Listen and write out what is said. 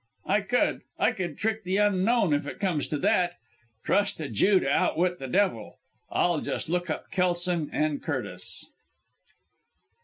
I could I could trick the Unknown if it comes to that. Trust a Jew to outwit the Devil! I'll just look up Kelson and Curtis."